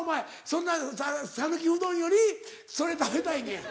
そんな讃岐うどんよりそれ食べたいねや。